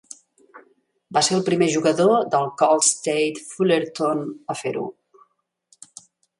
Va ser el primer jugador del Cal State Fullerton a fer-ho.